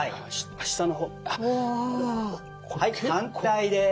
はい反対です。